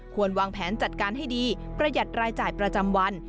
วางแผนจัดการให้ดีประหยัดรายจ่ายประจำวัน